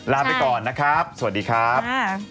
ลาไปก่อนนะครับสวัสดีครับ